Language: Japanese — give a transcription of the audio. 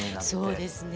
そうですね。